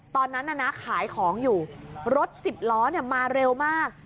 ตอนนั้นน่ะนะขายของอยู่รถสิบล้อมาเร็วมาก